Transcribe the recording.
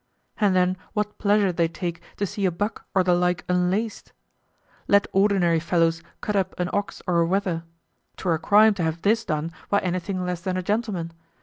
And then what pleasure they take to see a buck or the like unlaced? Let ordinary fellows cut up an ox or a wether, 'twere a crime to have this done by anything less than a gentleman!